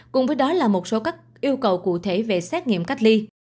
cùng với đó là một số các yêu cầu cụ thể về xét nghiệm cách ly